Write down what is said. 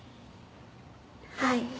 はい。